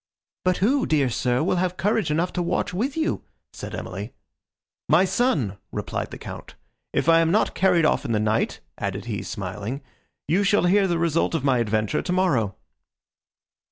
"But who, dear sir, will have courage enough to watch with you?" said Emily. "My son," replied the Count. "If I am not carried off in the night," added he, smiling, "you shall hear the result of my adventure, tomorrow."